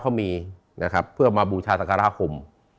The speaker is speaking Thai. เขามีนะครับเพื่อมาบูชาสังการาคม